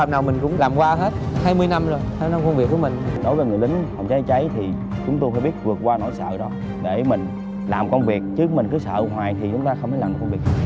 để mình làm công việc chứ mình cứ sợ hoài thì chúng ta không thể làm được công việc